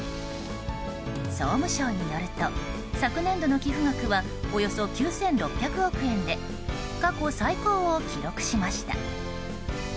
総務省によると昨年度の寄付額はおよそ９６００億円で過去最高を記録しました。